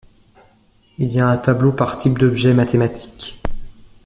Il y a un tableau par type d'objet mathématiques.